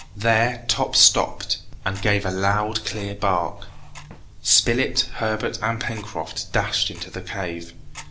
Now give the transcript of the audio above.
There Top stopped, and gave a loud, clear bark. Spilett, Herbert, and Pencroft dashed into the cave.